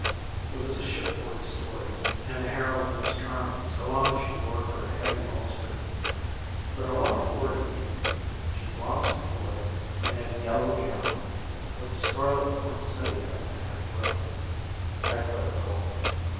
It was a shipboard story, and the heroine was charming so long as she wore her heavy ulster. But along toward evening she blossomed forth in a yellow gown, with a scarlet poinsettia at her throat. I quit her cold.